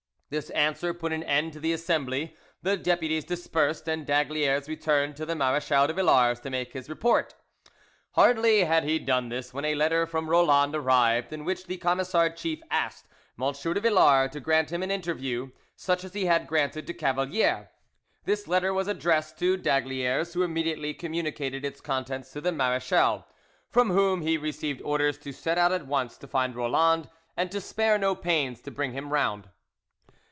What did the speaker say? This answer put an end to the assembly, the deputies dispersed, and d'Aygaliers returned to the Marechal de Villars to make his report. Hardly had he done this when a letter from Roland arrived, in which the Camisard chief asked M. de Villars to grant him an interview, such as he had granted to Cavalier. This letter was addressed to d'Aygaliers, who immediately communicated its contents to the marechal, from whom he received orders to set out at once to find Roland and to spare no pains to bring him round.